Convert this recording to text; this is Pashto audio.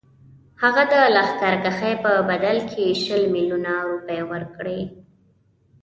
هغه د لښکرکښۍ په بدل کې شل میلیونه روپۍ ورکړي.